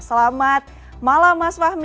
selamat malam mas fahmi